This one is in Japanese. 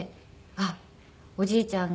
あっおじいちゃん